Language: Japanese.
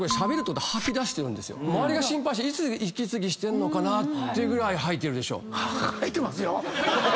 周りが心配していつ息継ぎしてんのかなってぐらい吐いてるでしょ。